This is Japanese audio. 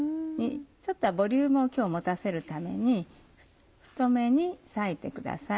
ちょっとボリュームを今日持たせるために太めに裂いてください。